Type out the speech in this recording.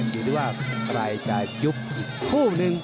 อยู่ด้วยว่าใครจะจุ๊บคู่หนึ่ง